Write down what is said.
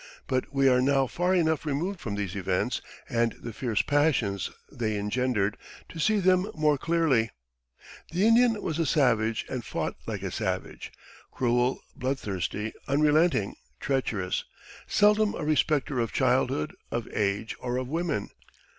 But we are now far enough removed from these events, and the fierce passions they engendered, to see them more clearly. The Indian was a savage and fought like a savage cruel, bloodthirsty, unrelenting, treacherous, seldom a respecter of childhood, of age, or of women.